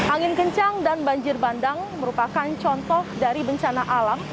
angin kencang dan banjir bandang merupakan contoh dari bencana alam